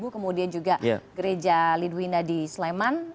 kemudian juga gereja lidwina di sleman